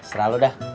serah lu dah